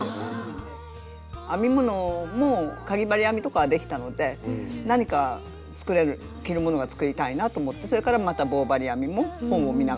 編み物もかぎ針編みとかはできたので何か着るものが作りたいなと思ってそれからまた棒針編みも本を見ながら覚えました。